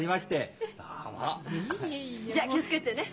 じゃあ気を付けてね。